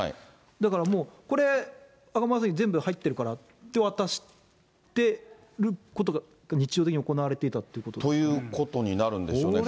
だからもう、尼崎、全部入ってるからって渡してることが日常的に行われていたというということになるんでしょうね。